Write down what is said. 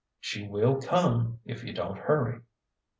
" She will come if you don't hurry."